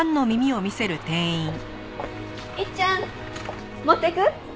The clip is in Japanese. いっちゃん持ってく？